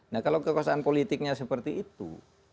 nah kalau kekuasaan politiknya seperti itu